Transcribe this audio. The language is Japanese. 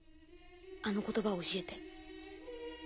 あの言葉を教えて。